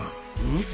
うん？